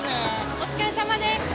お疲れさまです。